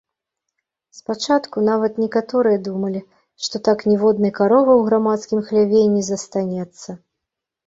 Спачатку нават некаторыя думалі, што так ніводнай каровы ў грамадскім хляве і не застанецца.